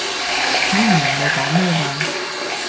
睇唔明你講咩嘅